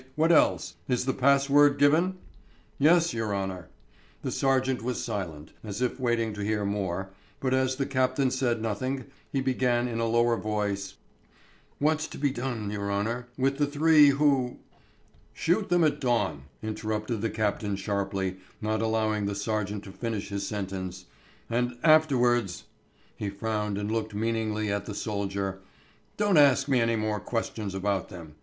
What else? Is the pass word given?" "Yes, your honour...." The sergeant was silent, as if waiting to hear more, but as the captain said nothing, he began in a lower tone, "What's to be done, your honour, with the three who...." "Shoot them at dawn," interrupted the captain sharply, not allowing the sergeant to finish his sentence, "And afterwards" he frowned and looked meaningly at the soldier "don't ask me any more questions about them.